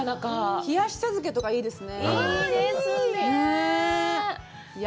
冷やし茶漬けとかにいいですね。